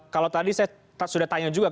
kalau tadi saya sudah tanya juga